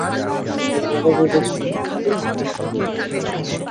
আমরা ভেবেছিলাম ও শুধুমাত্র ধমকি দিবে।